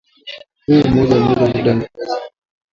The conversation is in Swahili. hufa mmoja mmoja kwa muda fulani kisha wanaacha